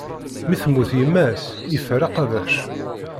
Mi temmut yemma-s, iffer aqabac!